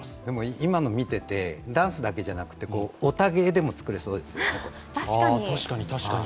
今の見ててダンスだけではなくて、ヲタ芸でも作れそうですよね。